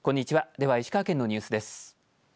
では石川県のニュースです。